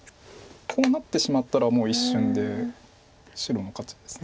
こうなってしまったらもう一瞬で白の勝ちです。